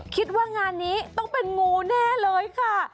คิดว่างานนี้ต้องเป็นงูแน่เลยค่ะ